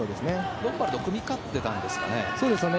ロンバルドは組み勝っていたんですかね。